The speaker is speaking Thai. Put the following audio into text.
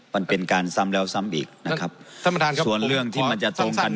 มันเป็นการซ้ำแล้วซ้ำอีกนะครับท่านประธานครับส่วนเรื่องที่มันจะตรงกัน